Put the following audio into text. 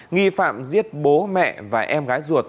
nghi phạm giết bố mẹ và em gái ruột